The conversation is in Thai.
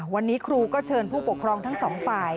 วันนี้ครูก็เชิญผู้ปกครองทั้งสองฝ่าย